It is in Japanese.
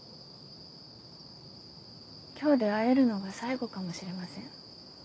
今日で会えるのが最後かもしれません。